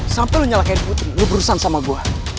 sampai lo nyalahkan putri lo berusaha sama gue